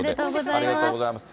ありがとうございます。